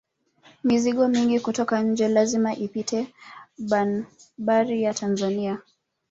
mizigo mingi kutoka nje lazima ipite banbari ya tanzania